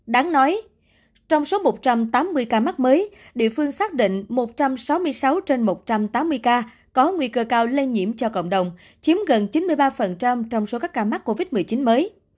đáng nói trong số một trăm tám mươi ca mắc mới địa phương xác định một trăm sáu mươi sáu trên một trăm tám mươi ca có nguy cơ cao lây nhiễm cho cộng đồng chiếm gần chín mươi ba trong số các ca mắc covid một mươi chín mới